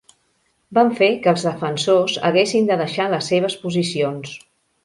Van fer que els defensors haguessin de deixar les seves posicions.